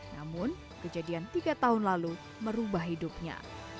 namun kejadian tiga tahun lalu merubah hidupnya